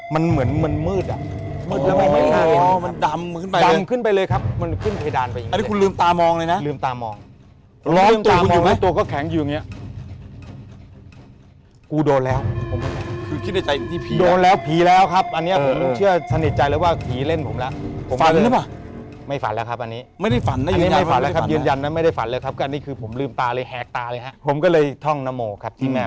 มันดำขึ้นไปเลยครับมันขึ้นเพดานไปอันนี้คุณลืมตามองเลยนะลืมตามองร้องตัวคุณอยู่ไหมตัวก็แข็งอยู่อย่างนี้กูโดนแล้วคือคิดในใจนี่ผีครับโดนแล้วผีแล้วครับอันนี้ผมเชื่อสนิทใจเลยว่าผีเล่นผมแล้วฝันหรือเปล่าไม่ฝันแล้วครับอันนี้ไม่ได้ฝันแล้วยืนยันแล้วครับยืนยันแล้วไม่ได้ฝันแล้วครับก็อันนี้